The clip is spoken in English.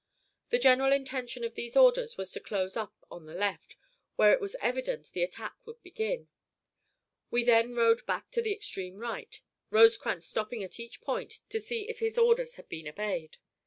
The general intention of these orders was to close up on the left, where it was evident the attack would begin. We then rode back to the extreme right, Rosecrans stopping at each point to see if his orders had been obeyed.